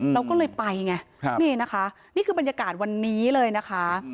เราก็เลยไปไงนี่นะคะนี่คือบรรยากาศวันนี้เลยนะคะ